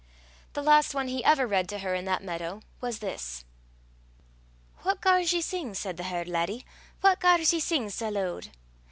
The last one he ever read to her in that meadow was this: What gars ye sing, said the herd laddie, What gars ye sing sae lood?